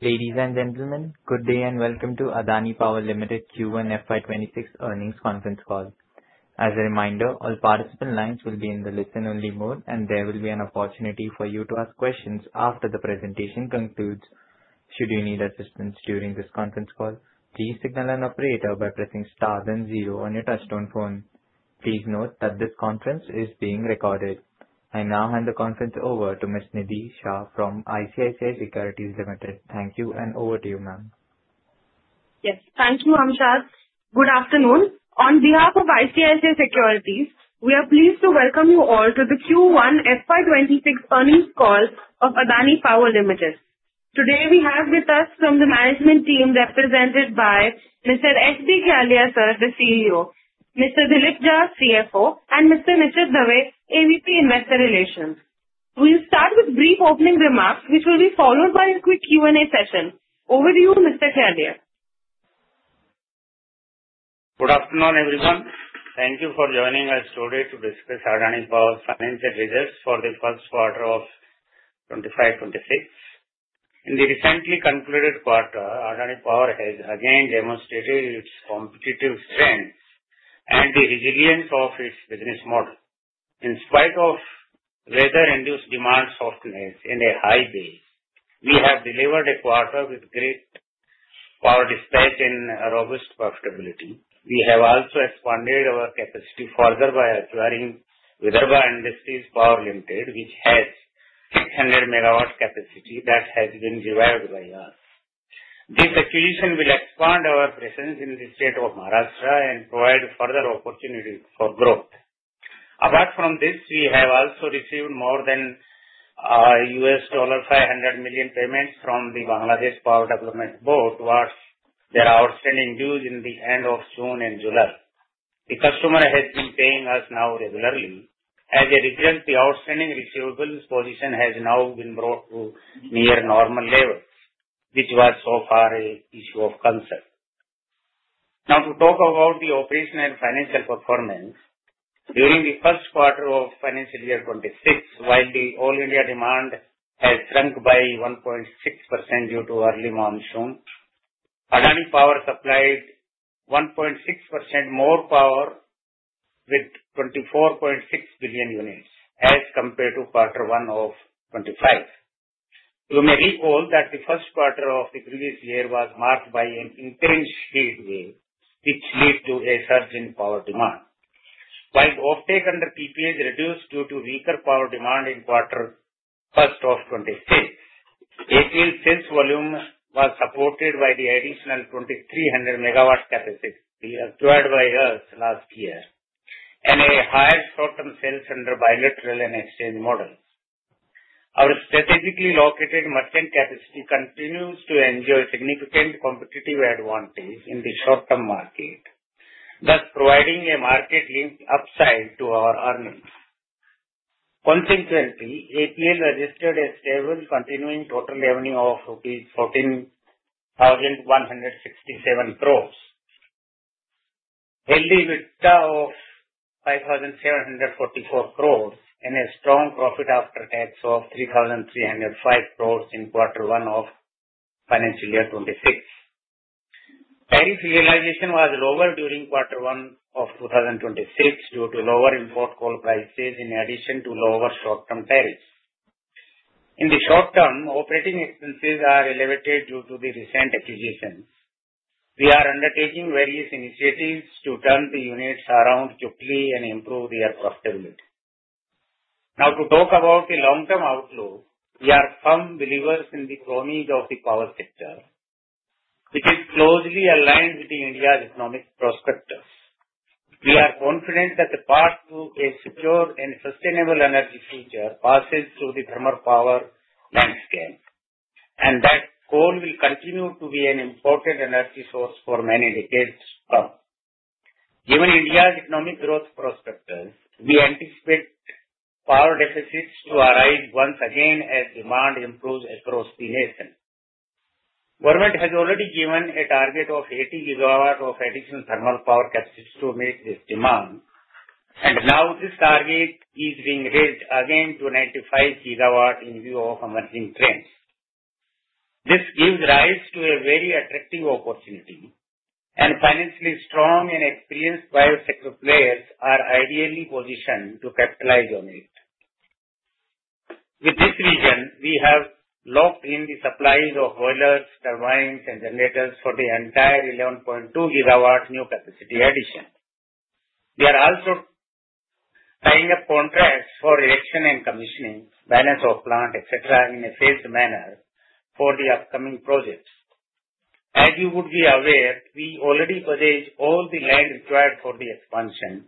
Ladies and gentlemen, good day and welcome to Adani Power Limited Q1FY26 earnings conference call. As a reminder, all participant lines will be in the listen-only mode and there will be an opportunity for you to ask questions after the presentation concludes. Should you need assistance during this conference call, please signal an operator by pressing star then zero on your touch-tone phone. Please note that this conference is being recorded. I now hand the conference over to Ms. Nidhi Shah from ICICI Securities Limited. Thank you. Over to you, ma'am. Yes, thank you. Good afternoon. On behalf of ICICI Securities, we are pleased to welcome you all to the Q1FY26 earnings call of Adani Power Limited. Today we have with us from the management team represented by Mr. S.B. Khyalia, the CEO, Mr. Dilip Jha, CFO, and Mr. Nishit Dave, AVP Investor Relations. We'll start with brief opening remarks, which will be followed by a quick Q and A session. Over to you, Mr. Khyalia. Good afternoon everyone. Thank you for joining us today to discuss Adani Power's financial results for first quarter 2025-26. In the recently concluded quarter, Adani Power has again demonstrated its competitive strength and the resilience of its business model. In spite of weather-induced demand softness and a high base, we have delivered a quarter with great power dispatch and robust profitability. We have also expanded our capacity further by acquiring Vidarbha Industries Power Limited, which has 600 MW capacity that has been acquired by us. This acquisition will expand our presence in the state of Maharashtra and provide further opportunities for growth. Apart from this, we have also received more than $500 million in payments from the Bangladesh Power Development Board for their outstanding dues at the end of June and July. The customer has been paying us now regularly. As a result, the outstanding receivables position has now been brought to near normal levels, which was so far an issue of concern. Now to talk about the operational financial performance during the first quarter of financial year 2025-26. While the all-India demand has shrunk by 1.6% due to early monsoon, Adani Power supplied 1.6% more power with 24.6 billion units as compared to quarter 1 of 2025. You may recall that the first quarter of the previous year was marked by an intense heat wave which led to a surge in power demand, while offtake under PPA is reduced due to weaker power demand in quarter first of 2026, sales volume was supported by the additional 2,300 MW capacity acquired by us last year and higher short-term sales under bilateral and exchange models. Our strategically located merchant capacity continues to enjoy significant competitive advantage in the short-term market, thus providing a market-linked upside to our earnings. Consequently, APL registered a stable continuing total revenue of INR 14,167 crore, healthy EBITDA of 5,744 crore, and a strong profit after tax of 3,305 crore in quarter one of the financial year 2026. Tariff realization was lower during quarter one of 2026 due to lower import coal prices in addition to lower short-term tariffs. In the short term, operating expenses are elevated due to the recent acquisitions. We are undertaking various initiatives to turn the units around quickly and improve their profitability. Now to talk about the long-term outlook. We are firm believers in the chronic of the power sector which is closely aligned with India's economic prospectus. We are confident that the path to a secure and sustainable energy future passes through the power landscape and that coal will continue to be an important energy source for many decades. Given India's economic growth prospects, we anticipate power deficits to arise once again as demand improves across the nation. Government has already given a target of 80 GW of additional thermal power capsules to meet this demand, and now this target is being raised again to 95 GW. In view of emerging trends, this gives rise to a very attractive opportunity, and financially strong and experienced biosecuro players are ideally positioned to capitalize on it. With this region, we have locked in the supplies of boilers, turbines, and generators for the entire 11.2 GW new capacity addition. We are also tying up contracts for erection and commissioning, balance of plant, etc. in a phased manner for the upcoming projects. As you would be aware, we already purchased all the land required for the expansion,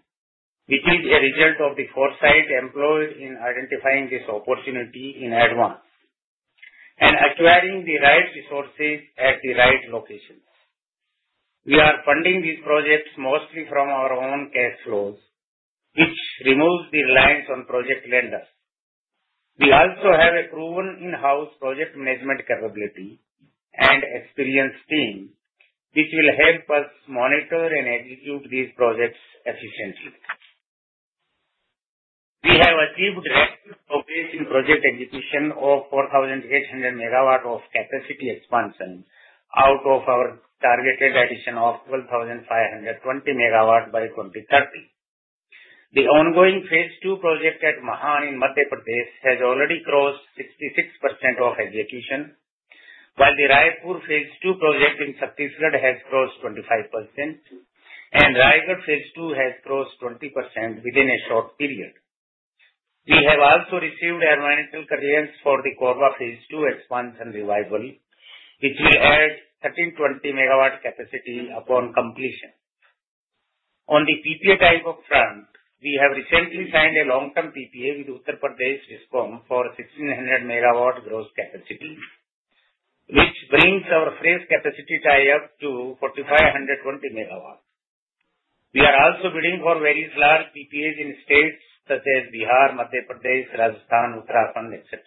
which is a result of the foresight employed in identifying this opportunity in advance and acquiring the right resources at the right locations. We are funding these projects mostly from our own cash flows, which removes the reliance on project lenders. We also have a proven in-house project management capability and experienced team which will help us monitor and execute these projects efficiently. We have achieved progress in project execution of 4,800 MW of capacity expansion out of our targeted addition of 12,520 MW by 2030. The ongoing phase two project at Mahan in Madhya Pradesh has already crossed 66% of execution, while the Raipur phase two project in Chhattisgarh has crossed 25%, and Raigad phase two has crossed 20% within a short period. We have also received environmental clearance for the Korba phase 2 expansion revival, which will add 1,320 MW capacity upon completion. On the PPA type of front, we have recently signed a long-term PPA with Uttar Pradesh Power Corporation Limited for 1,600 MW gross capacity, which brings our phrase capacity tie up to 4,520 MW. We are also bidding for various large PPAs in states such as Bihar, Madhya Pradesh, Rajasthan, Uttarakhand, etc.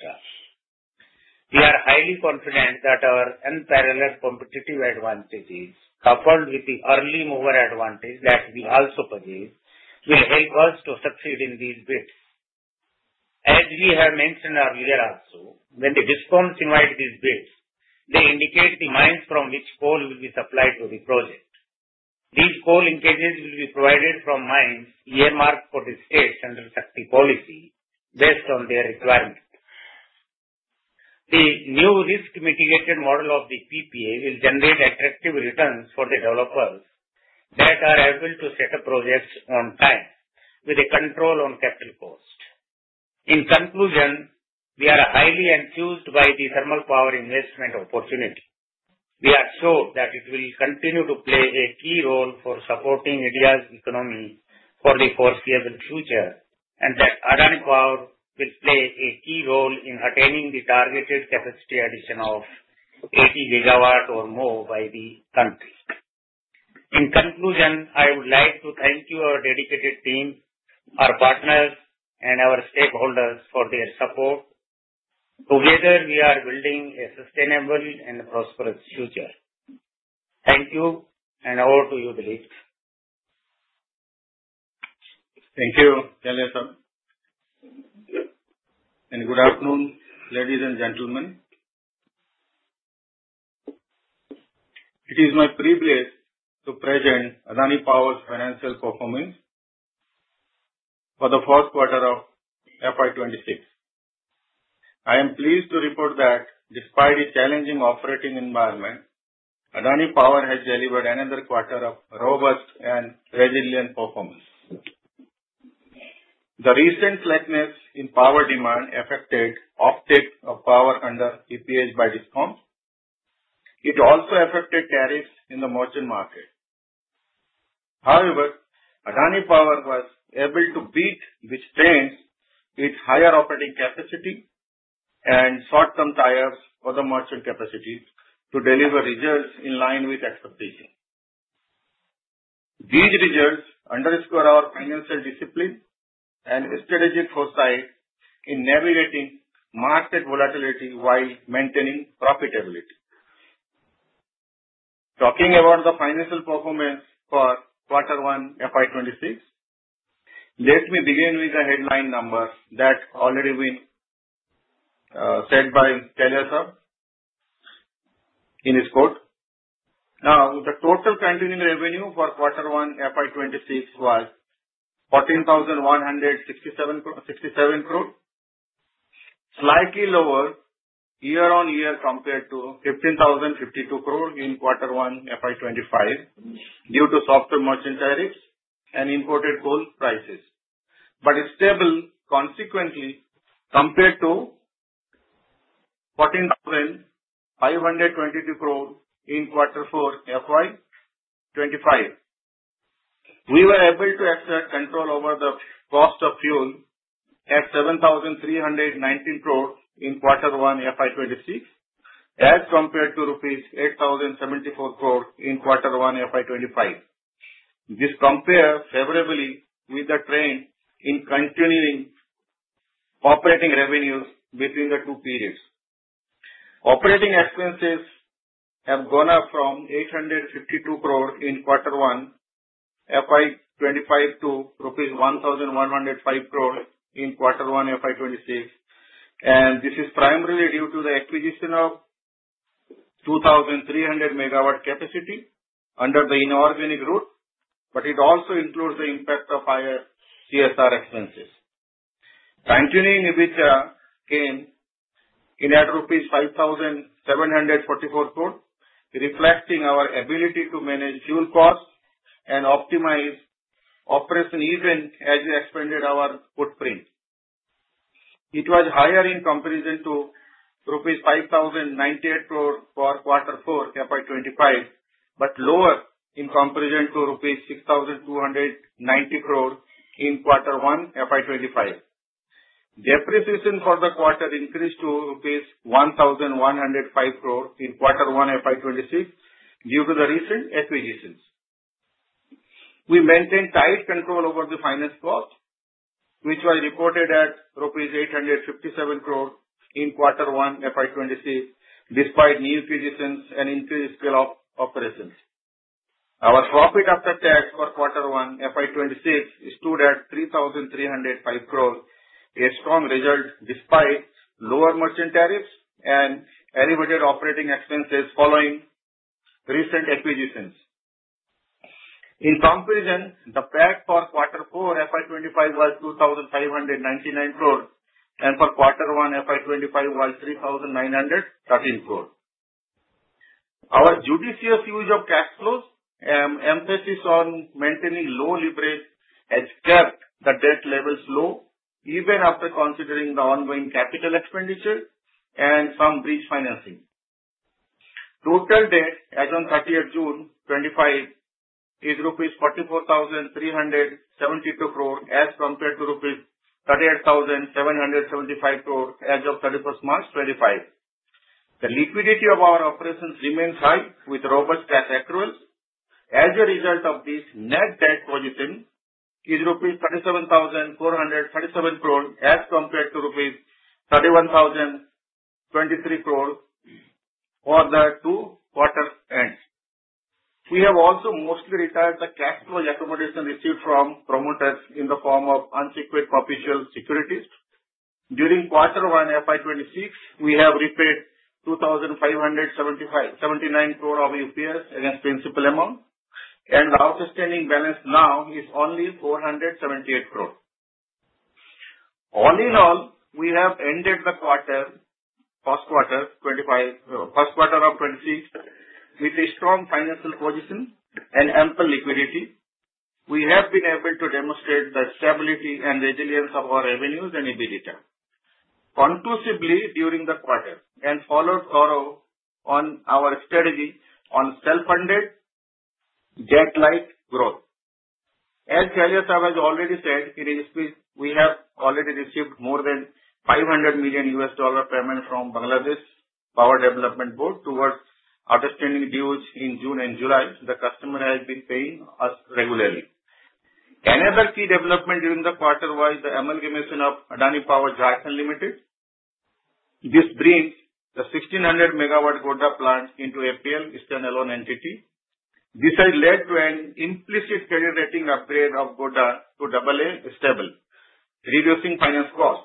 We are highly confident that our unparalleled competitive advantages, coupled with the early mover advantage that we also possess, will help us to succeed in these bids. As we have mentioned earlier also, when the discoms invite these bids they indicate the mines from which coal will be supplied to the project. These coal linkages will be provided from mines earmarked for the state under Shakti Policy based on their requirement. The new risk mitigated model of the PPA will generate attractive returns for the developers that are able to set up projects on time with a control on capital cost. In conclusion, we are highly enthused by the thermal power investment opportunity. We are sure that it will continue to play a key role for supporting India's economy for the foreseeable future and that Adani Power will play a key role in attaining the targeted capacity addition of 80 GW or more by the country. In conclusion, I would like to thank you, our dedicated team, our partners, and our stakeholders for their support. Together we are building a sustainable and prosperous future. Thank you and over to you Dilip. Thank you and good afternoon. Ladies and gentlemen, it is my privilege to present Adani Power's financial performance. For. The first quarter of FY26. I am pleased to report that despite a challenging operating environment, Adani Power has delivered another quarter of robust and resilient performance. The recent slackness in power demand affected offtake of power under EPS by discom. It also affected tariffs in the merchant market. However, Adani Power was able to withstand its higher operating capacity and short term ties for the merchant capacity to deliver results in line with expectation. These results underscore our financial discipline and strategic foresight in navigating market volatility while maintaining profitability. Talking about the financial performance for quarter one FY26, let me begin with the headline number that already been said by. Khyalia Saab in his quote. Now the total continuing revenue for quarter one FY26 was 14,167.67 crore, slightly lower year on year compared to 15,052 crore in quarter one FY25 due to softer merchant tariffs and imported coal prices but stable. Consequently, compared to INR 14,522 crore in quarter four FY25, we were able to exert control over the cost of fuel at 7,319 crore in quarter one FY26 as compared to rupees 8,074 crore in quarter one FY25. This compares favorably with the trend in continuing operating revenues between the two periods. Operating expenses have gone up from 852 crore in quarter one FY25 to rupees 1,105 crore in quarter one FY26 and this is primarily due to the acquisition of 2,300 MW capacity under the inorganic route, but it also includes the impact of higher CSR expenses. Continuing EBITDA came in at rupees 5,744 crore, reflecting our ability to manage fuel cost and optimize operation even as we expanded our footprint. It was higher in comparison to 5,098 crore rupees for quarter four FY25 but lower in comparison to 6,290 crore rupees in quarter one FY25. Depreciation for the quarter increased to rupees 1,105 crore in quarter one FY26 due to the recent acquisitions. We maintain tight control over the finance cost, which was reported at rupees 857 crore in quarter one FY26. Despite new positions and increased scale of operations, our profit after tax for quarter one FY26 stood at 3,305 crore, a strong result despite lower merchant tariffs and elevated operating expenses following recent acquisitions. In comparison, the profit after tax for quarter four FY25 was 2,599 crore and for quarter one FY25 was 3,913 crore. Our judicious use of cash flows and emphasis on maintaining low leverage has kept the debt levels low even after considering the ongoing capital expenditure and some bridge financing. Total debt as on 30th June 2025 is rupees 44,372 crore as compared to rupees 38,775 crore as of 31st March 2025. The liquidity of our operations remains high with robust cash accruals. As a result of this, net debt position is 37,437 crore rupees as compared to 31,023 crore rupees for the two quarters end. We have also mostly retired the cash flow accommodation received from promoters in the form of unsecured provisional securities. During quarter one FY26, we have repaid 2,575.79 crore of UPS against principal amount and outstanding balance now is only 478 crore. All in all, we have ended the first quarter of 2025 and the first quarter of 2026 with a strong financial position and ample liquidity. We have been able to demonstrate the stability and resilience of our revenues and EBITDA conclusively during the quarter and followed through on our strategy on self-funded debt, light growth. As Khyalia Sahib has already said, we have already received more than $500 million payment from Bangladesh Power Development Board towards outstanding dues in June and July. The customer has been paying us regularly. Another key development during the quarter was the amalgamation of Adani Power (Jharkhand) Limited. This brings the 1,600 MW Godda plant into APL standalone entity. This has led to an implicit credit rating upgrade of Godda to AA stable, reducing finance cost.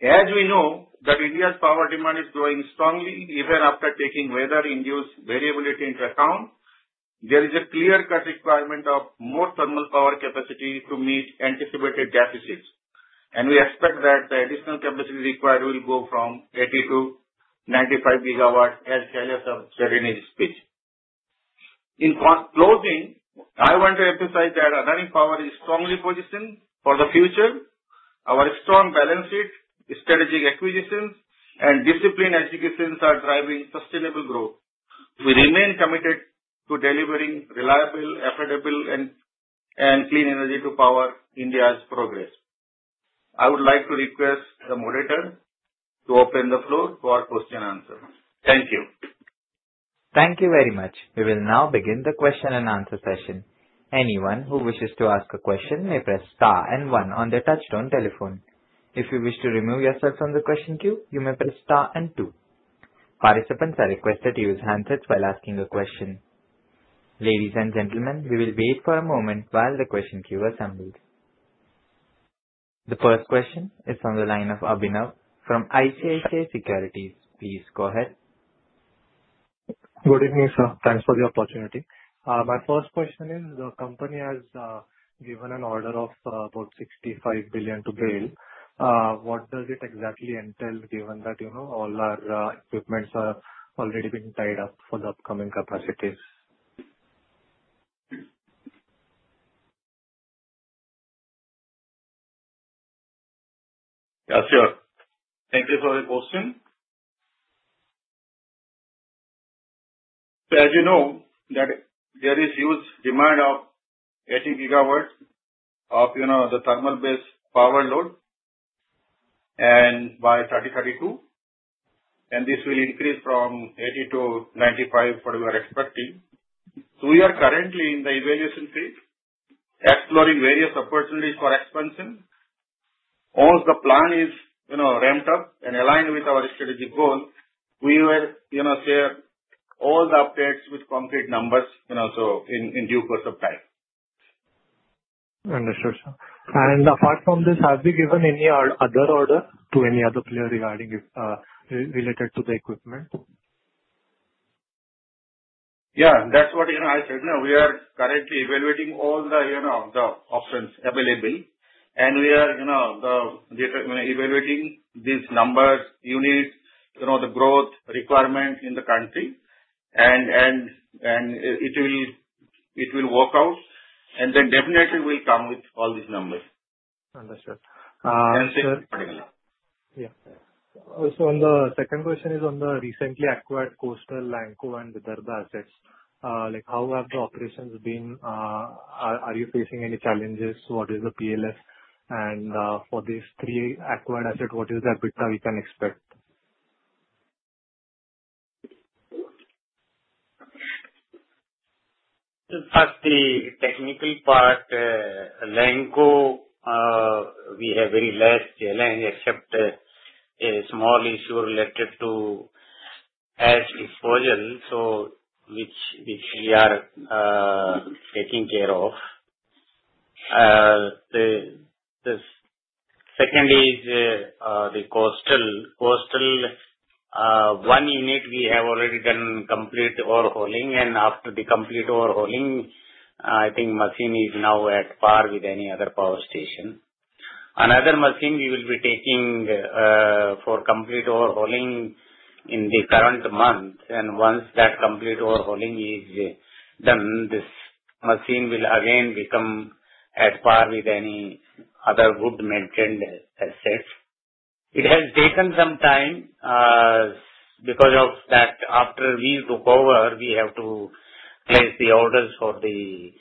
As we know, India's power demand is growing strongly even after taking weather-induced variability into account. There is a clear-cut requirement of more thermal power capacity to meet anticipated deficits. We expect that the additional capacity required will go from 80 to 95 GW. As Khyalia Sahib said in his speech, in closing, I want to emphasize that Adani Power Limited is strongly positioned for the future. Our strong balance sheet, strategic acquisitions, and disciplined executions are driving sustainable growth. We remain committed to delivering reliable, affordable, and clean energy to power India's progress. I would like to request the moderator to open the floor for question and answers. Thank you. Thank you very much. We will now begin the question and answer session. Anyone who wishes to ask a question may press STAR and one on their touchtone telephone. If you wish to remove yourself from the question queue, you may press STAR and two. Participants are requested to use handsets while asking a question. Ladies and gentlemen, we will wait for a moment while the question queue assembles. The first question is on the line of Abhinav from ICICI Securities. Please go ahead. Good evening, sir. Thanks for the opportunity. My first question is the company has. What does it exactly entail, given that you know all our equipment is already being tied up for the upcoming capacities? Yeah, sure. Thank you for the question. As you know, there is huge demand of 18 GW of the thermal based power load by 2022, and this will increase from 80 to 95, what we are expecting. We are currently in the evaluation phase, exploring various opportunities for expansion. Once the plan is ramped up and aligned with our strategic goal, we will share all the updates with concrete numbers in due course of time. Apart from this, have we given. Any other order to any other player regarding, related to the equipment? Yeah, that's what I said. Now we are currently evaluating all the options available and we are evaluating these numbers, you know, the growth requirement in the country. It will work out and then definitely will come. With all these numbers. Understood. Yeah. On the second question, on the recently acquired Coastal, Lanco and Vidarbha assets, how have the operations been? Are you facing any challenges? What is the PLF, and for these three acquired assets, what is the EBITDA? We can expect? First, the technical part. Lanco, we have very large challenge except a small issue related to ash disposal, which we are taking care of. Second is the Coastal. Coastal one unit we have already done complete overhauling, and after the complete overhauling, I think machine is now at par with any other power station. Another machine we will be taking for complete overhauling in the current month. Once that complete overhauling is done, this machine will again become at par with any other good maintained assets. It has taken some time because after we took over, we have to place the orders for the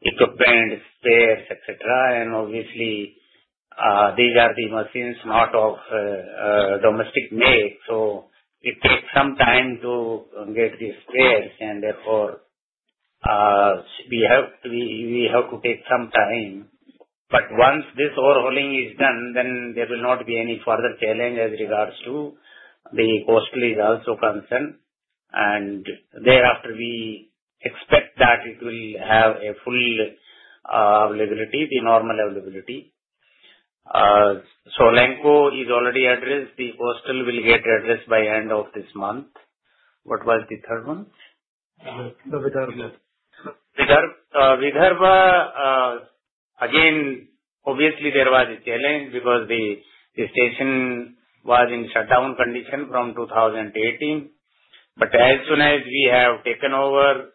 equipment, spares, etc. Obviously, these are the machines not of domestic make. It takes some time to get these spares and therefore we have to take some time. Once this overhauling is done, there will not be any further challenge as regards to the Coastal is also concerned. Thereafter, we expect that it will have a full availability. The normal availability. So Lanco is already addressed. The Coastal will get addressed by end of this month. What was the third one? Vidarbha, again, obviously there was a challenge because the station was in shutdown condition from 2018. As soon as we have taken over,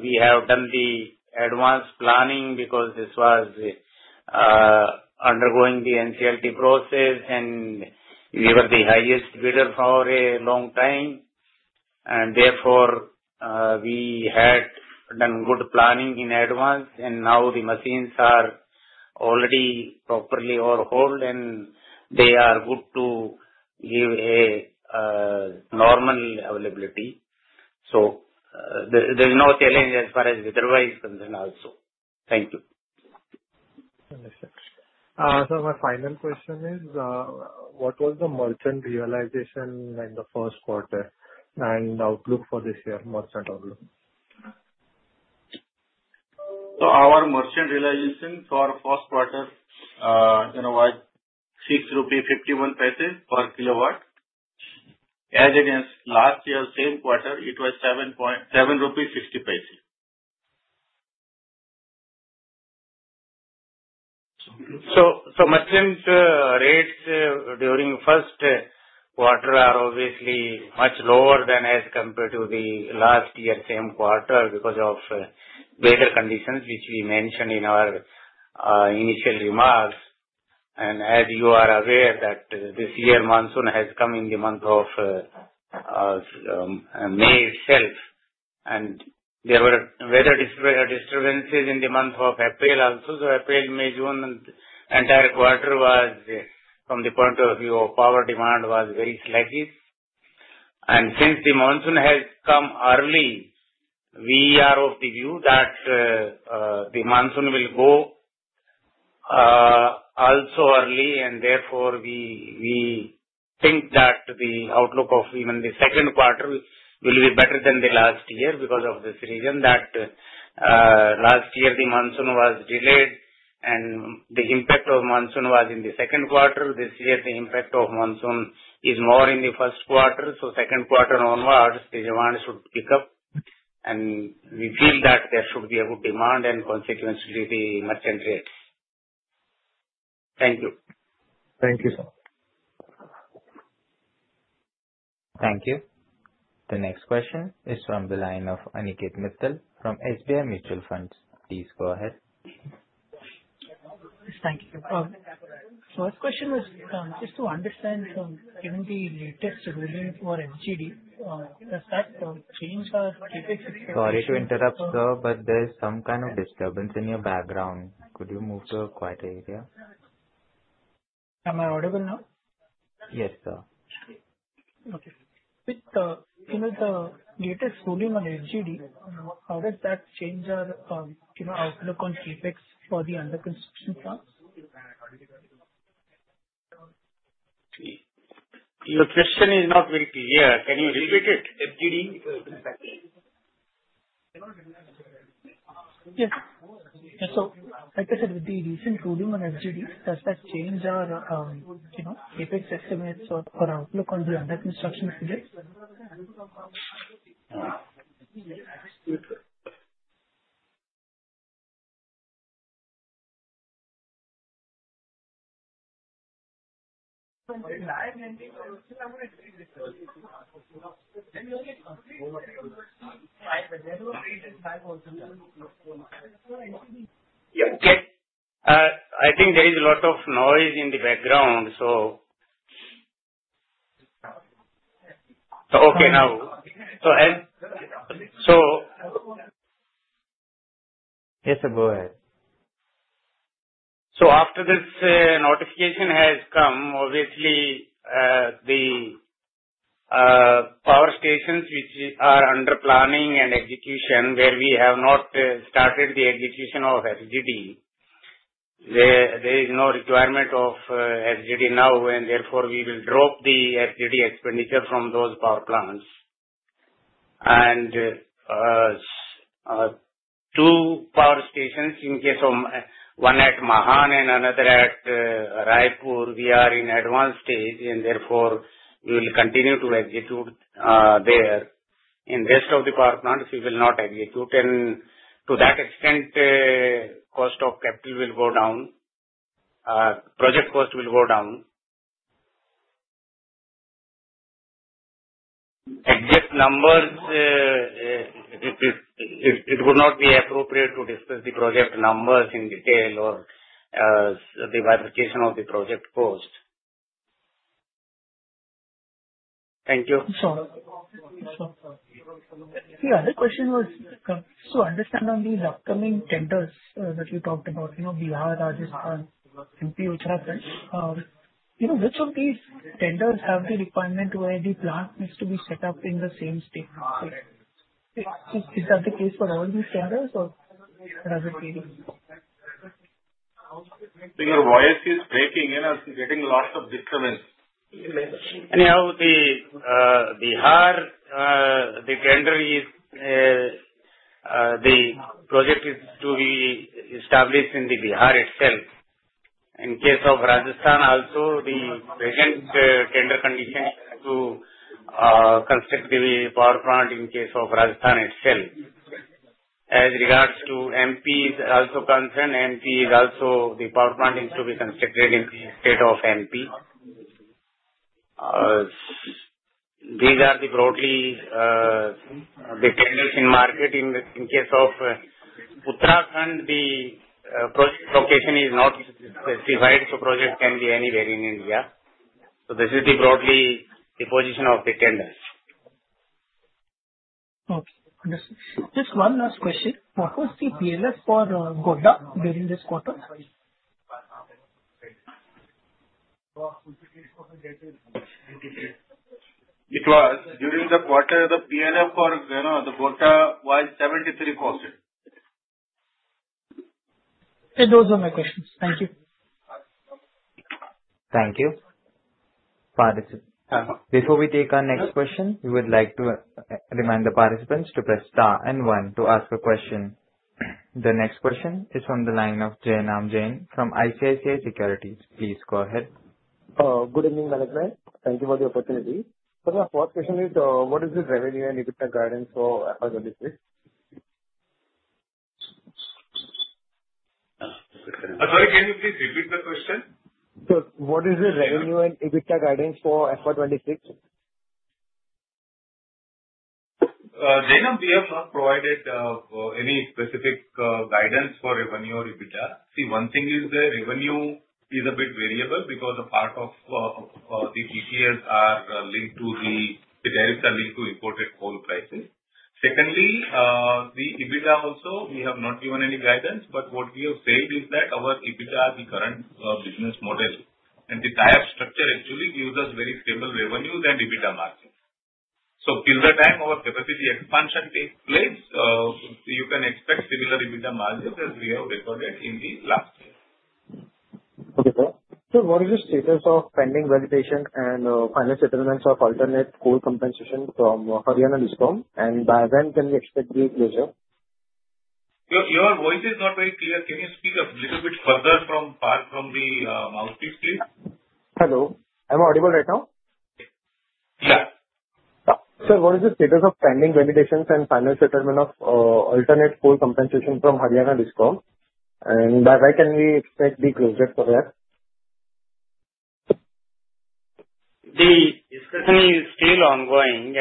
we have done the advanced planning because this was undergoing the NCLT process and we were the highest bidder for a long time, and therefore we had done good planning in advance. Now the machines are already properly overhauled and they are good to give a normal availability. There is no challenge as far as weather wire is concerned also. Thank you. My final question is what was. The merchant realization in the first quarter and outlook for this year? Merchant outlook? Our merchant realization for the first quarter was INR 6.51 per kW as against last year same quarter it was 7.60 rupee. Merchant rates during the first quarter are obviously much lower than as compared to the last year same quarter because of weather conditions, which we mentioned in our initial remarks. As you are aware, this year monsoon has come in the month of May itself, and there were weather disturbances in the month of April also. April, May, June, the entire quarter was, from the point of view of power demand, very slackish. Since the monsoon has come early, we are of the view that the monsoon will go also early. Therefore, we think that the outlook. Of even the second quarter will be. Better than the last year. Because of this reason that last year the monsoon was delayed and the impact of monsoon was in the second quarter. This year the impact of monsoon is more in the first quarter. Second quarter onwards the demand should pick up and we feel that there should be a good demand and consequently the merchant rates. Thank you. Thank you, sir. Thank you. The next question is from the line of Aniket Mittal from SBI Mutual Fund. Please go ahead. Thank you. First question was just to understand, given the latest vision for FGD, does that change our CapEx? Sorry to interrupt, sir, but there is some kind of disturbance in your background. Could you move to a quieter area? Am I audible now? Yes, sir. The latest volume on FGD, how does that change our outlook on CapEx for the under construction plans? Your question is not very clear. Can you repeat it? Yes. Like I said, with the recent cooling on FGD, does that change our, you know, CapEx estimates or outlook on the under construction? I think there is a lot of noise in the background. Okay now. Yes, go ahead. After this notification has come, obviously the power stations which are under planning and execution where we have not started the execution of FGD, there is no requirement of FGD now. Therefore, we will drop the FGD expenditure from those power plants and two power stations. In case of one at Mahan and another at Raipur, we are in advanced stage and therefore we will continue to execute there. In rest of the power plants we will not execute. To that extent, cost of capital will go down. Project cost will go down. Exit numbers. It would not be appropriate to discuss the project numbers in detail or the bifurcation of the project cost. Thank you. The other question was to understand on these upcoming tenders that you talked about, you know, Bihar, Rajasthan, Madhya Pradesh, Uttarakhand, you know, which of these tenders have the requirement where the plant needs to be set up in the same state. Is that the case for all these tenders or does it mean. So your. Voice is breaking in and getting lots of disturbance. Anyhow, the Bihar, the tender is the project is to be established in Bihar itself. In case of Rajasthan also, the present tender condition is to construct the power plant in Rajasthan itself. As regards to MP is also concerned, MP is also the power plant is to be constructed in state of MP. These are broadly the tenders in market. In case of Uttarakhand, the location is not specified, so project can be anywhere in India. This is broadly the position of the tenders. Okay, just one last question. What was the PLF for Godda during this quarter? It was during the quarter the PLF for, you know, the Godda was 73% posted. Those are my questions. Thank you. Thank you. Before we take our next question, we. Would like to remind the participants to press star and one to ask a question. The next question is from the line of Jainam Jain from ICICI Securities. Please go ahead. Good evening, management. Thank you for the opportunity. My first question is what is the revenue and EBITDA guidance for? Sorry, can you please repeat the question? What is the revenue and EBITDA guidance for FY26? Jainam we have not provided any specific guidance for revenue or EBITDA. One thing is the revenue is a bit variable because a part of the PPAs are linked to the direct are linked to imported coal prices. Secondly, the EBITDA also we have not given any guidance, but what we have said is that our EBITDA, the current business model and the tie up structure actually gives us very stable revenues and EBITDA margin. Till the time our capacity expansion takes place, you can expect similar EBITDA margins as we have recorded in the last year. Okay sir, what is the status of. Pending validation and final settlements of alternate. Coal compensation from Haryana Discom By when can we expect the closure? Your voice is not very clear. Can you speak a little bit further from the mic, please. Hello, am I audible right now? Yeah So, what is the status of pending validations and final settlement of alternate full compensation from Haryana Discom, and when can we expect the close date for that? The discussion is still ongoing.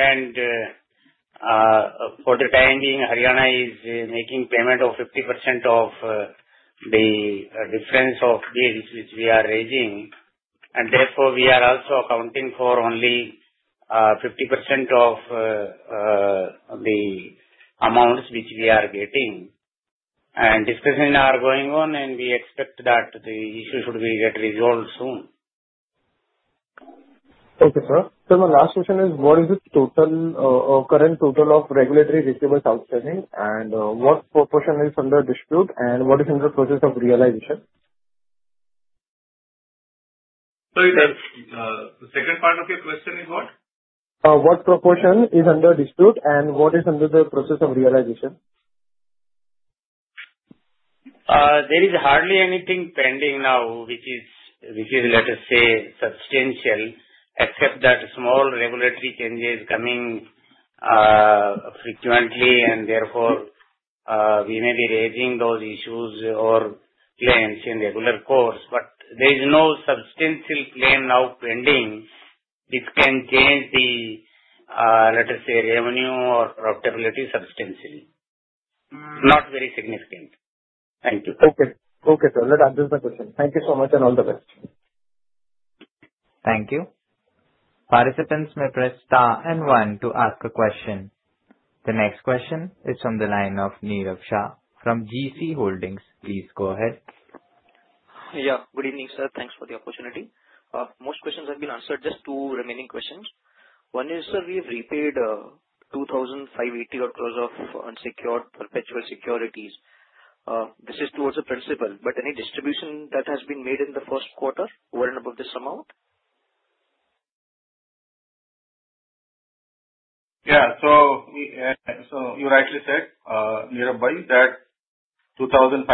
For the time being, Haryana is making payment of 50% of the difference of deals which we are raising, and therefore we are also accounting for only 50% of the amounts which we are getting. Discussions are going on, and we expect that the issue should get resolved soon. Okay sir, my last question is what is the total current total of. Regulatory receivables outstanding and what proportion is. under dispute and what is in the process of realization? The second part of your question is what What proportion is under dispute and what is under the process of realization? There is hardly anything pending now which is, let us say, substantial, except that small regulatory changes are coming frequently and therefore we may be raising those issues or claims in regular course. There is no substantial claim now pending. It can change the, let us say, revenue or profitability substantially. Not very significant. Thank you. Okay. Okay. Thank you so much and all the best. Thank you. Participants may press star and one to ask a question. The next question is from the line of Nirav Shah from GeeCee Holdings. Please go ahead. Good evening, sir. Thanks for the opportunity. Most questions have been answered. Just two remaining questions. One is sir, we have repaid 20,058.0 crore of unsecured perpetual securities. This is towards the principal. Has any distribution that has been made? In the first quarter, over and above this amount. Yeah, you rightly said. Nearby that 2,579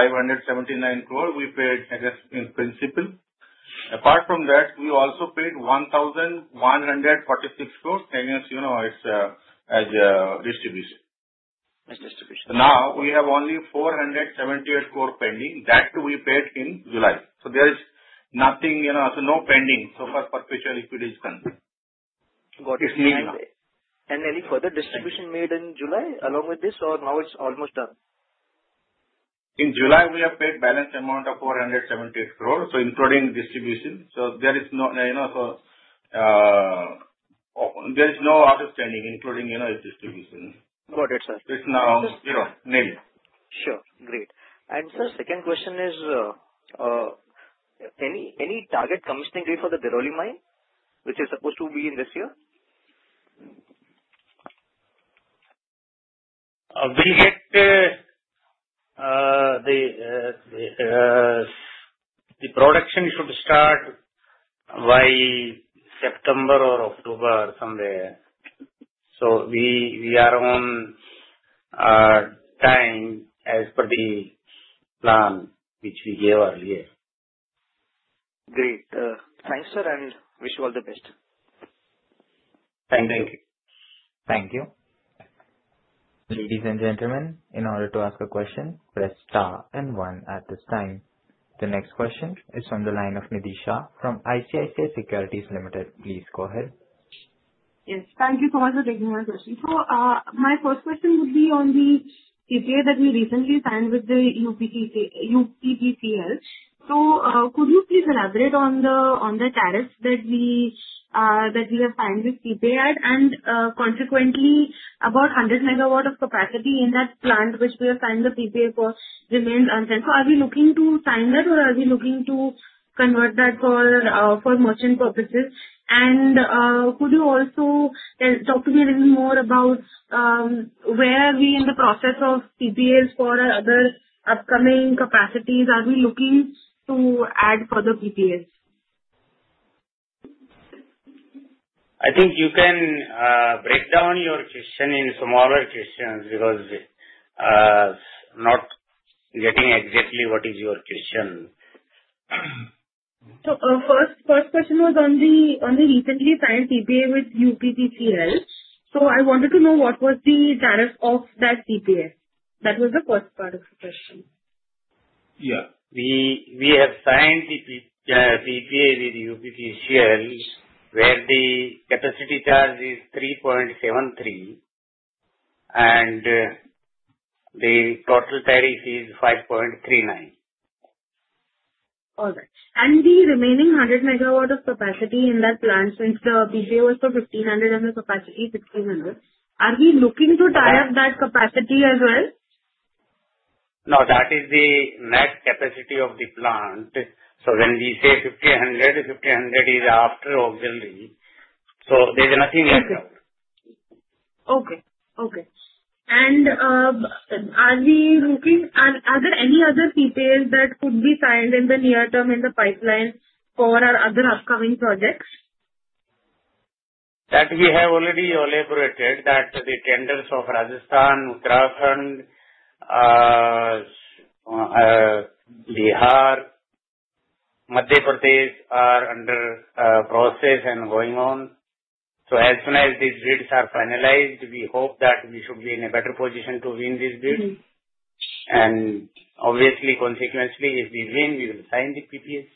crore we paid address in principal. Apart from that, we also paid 1,146 crore. As you know, it's as a distribution. Now we have only 478 crore pending that we paid in July. There is nothing, you know, no pending so far. Perfect equity is concerned. Any further distribution made in July. Along with this, now it's almost done. In July, we have paid the balance amount of 478 crore, including distribution. There is no understanding, including its distribution. Got it, sir. It's now. Sure. Great. Sir, second question is. Any target commissioning day for the Deroli mine which is supposed to be in this year? The production should start by September or October somewhere. We are on time as per the plan which we gave earlier. Great. Thanks sir and wish you all the best. Thank you. Thank you. Ladies and gentlemen, in order to ask a question, press star and one at this time. The next question is on the line of Nidhi Shah from ICICI Securities Limited. Please go ahead. Yes, thank you so much for taking my question. My first question would be on the PPA that we recently signed with the UPPCL. Could you please elaborate on the tariffs that we have signed with the PPA? Consequently, about 100 MW of capacity in that plant which we assigned the PPA for remains unset. Are we looking to sign that or are we looking to convert that for merchant purposes? Could you also talk to me a little more about where we are in the process of PPAs for other upcoming capacities? Are we looking to add further PPAs? I think you can break down your question into smaller questions because not getting exactly what is your question. The first question was on the recently signed PPA with UPPCL. I wanted to know what was the tariff of that PPA. That was the first part of the question. signed the PPA with UPPCL where the capacity charge is 3.73 and the total tariff is 5.39. All right. The remaining 100 MW of capacity in that plant, since the PPA was for 1,500 and the capacity is 1,600, are we looking to tie up that capacity as well? Now that is the net capacity of the plant. When we say 1500, 1,500, it is after or building, so there's nothing left out. Okay. Are we looking, are there any other details that could be signed in the near term in the pipeline for our other upcoming projects? We have already elaborated that the tenders of Rajasthan and Uttarakhand are under process and going on. As soon as these grids are finalized, we hope that we should be in a better position to win this bid. Obviously, consequently, if we win, we will sign the PPAs.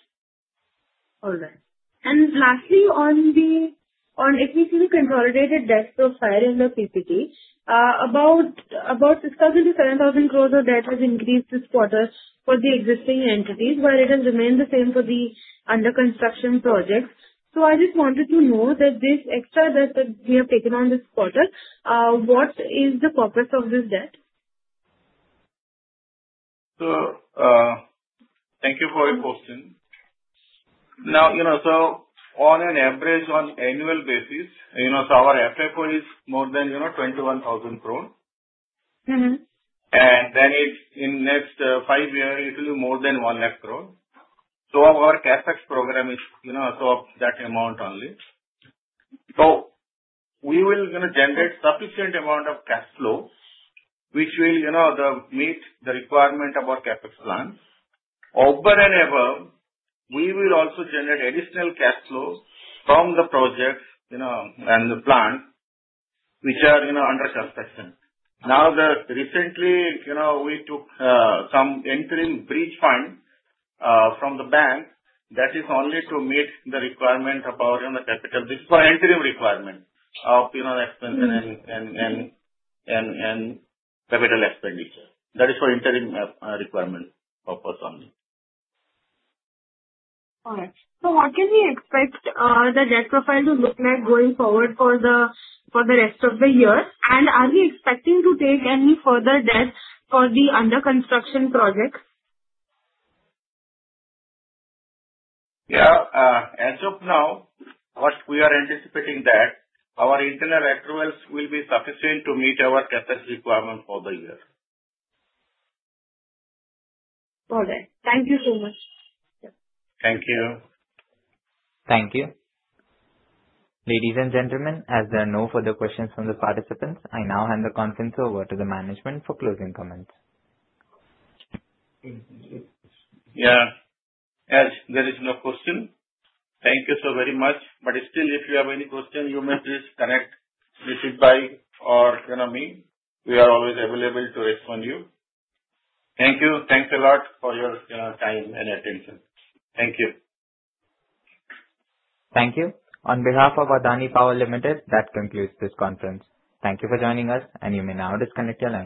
All right. Lastly, if we see the consolidated debts of barring the PPA, about 6,000, 7,000 crore of debt has increased this quarter for the existing entities, while it has remained the same for the under construction projects. I just wanted to know that this extra debt that we have taken on this quarter, what is the purpose of this debt? Thank you for your question. On an average, on annual basis, our FFO is more than 21,000 crore and in the next five years it will be more than 1 lakh crore. Our CapEx program is that amount only. We are going to generate sufficient amount of cash flow which will meet the requirement of our. CAPEX plan over and above. We will also generate additional cash flow from the projects, you know, and the. Plant which are you know under suspicion. Now recently, you know, we took some interim bridge fund from the bank. That is only to meet the requirement of power on the capital. This is for interim requirement of you. Know, expense and capital expenditure. That is for interim requirement purpose only. What can we expect the debt profile to look like going forward for the rest of the year? Are we expecting to take any further debt for the under construction project? Yeah, as of now, we are anticipating that our internal accruals will be sufficient to meet our CapEx requirement for the year. All right, thank you so much. Thank you. Thank you. Ladies and gentlemen, as there are no further questions from the participants, I now hand the conference over to the management for closing comments. Yeah, as there is no question. Thank you so very much. If you have any question, you may please connect visit by or me. We are always available to respond. Thank you. Thanks a lot for your time and attention. Thank you. Thank you. On behalf of Adani Power Limited, that concludes this conference. Thank you for joining us. You may now disconnect your lines.